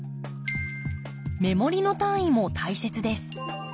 目盛りの単位も大切です。